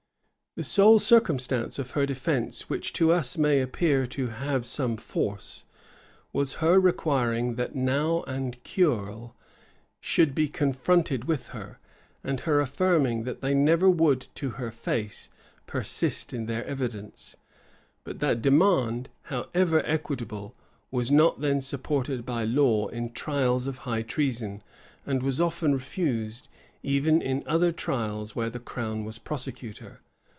[] * See note Y, at the end of the volume. See note Z, at the end cf the volume. The sole circumstance of her defence which to us may appear to have some force, was her requiring that Nau and Cure should be confronted with her, and her affirming that they never would to her face persist in their evidence. But that demand, however equitable, was not then supported by law in trials of high treason, and was often refused, even in other trials where the crown was prosecutor.